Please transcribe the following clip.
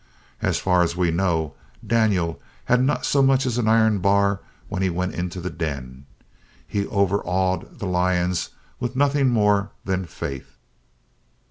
As far as we know, Daniel had not so much as an iron bar when he went into the den. He overawed the lions with nothing more than faith.